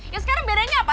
ya sekarang bedanya apa